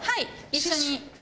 一緒に。